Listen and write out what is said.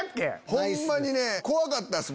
ホンマに怖かったっす。